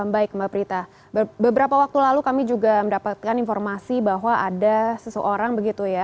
baik mbak prita beberapa waktu lalu kami juga mendapatkan informasi bahwa ada seseorang begitu ya